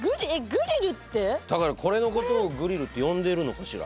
だからこれのことをグリルって呼んでるのかしら？